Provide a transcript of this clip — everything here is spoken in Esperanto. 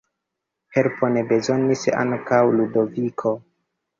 Helpon bezonis ankaŭ Ludoviko.